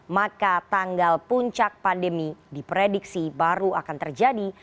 maka tanggal puncak pandemi diprediksi baru akan terjadi